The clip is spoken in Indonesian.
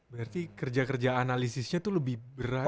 berarti kerja kerja analisisnya itu lebih berat